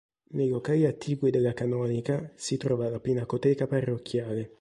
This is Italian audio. Nei locali attigui della canonica si trova la Pinacoteca parrocchiale.